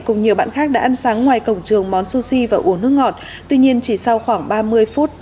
cùng nhiều bạn khác đã ăn sáng ngoài cổng trường món sushi và uống nước ngọt tuy nhiên chỉ sau khoảng ba mươi phút